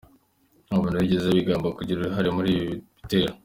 Nta muntu wigeze wigamba kugira uruhare muri ibi bitero.